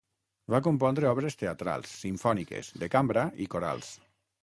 Va compondre obres teatrals, simfòniques, de cambra i corals.